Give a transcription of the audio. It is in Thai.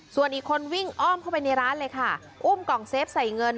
ส่วนอีกคนวิ่งอ้อมเข้าไปในร้านเลยค่ะอุ้มกล่องเซฟใส่เงิน